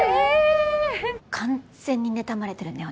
完全にねたまれてるね